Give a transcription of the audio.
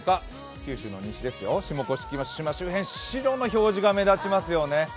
九州の西ですよ、下甑島周辺白の表示が目立ちますよね。